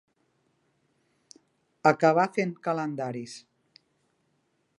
Acabar fent calendaris.